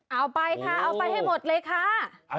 เอาไปค่ะเอาไปให้หมดเลยค่ะ